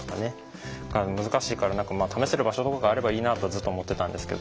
難しいから何か試せる場所とかがあればいいなとずっと思ってたんですけど。